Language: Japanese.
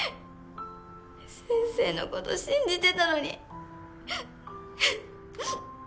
先生の事信じてたのに。